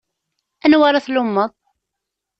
Anwa ara tlummeḍ?